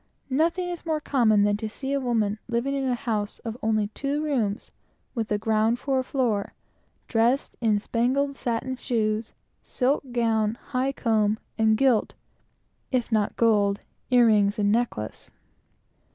Nothing is more common than to see a woman living in a house of only two rooms, and the ground for a floor, dressed in spangled satin shoes, silk gown, high comb, and gilt, if not gold, ear rings and necklace.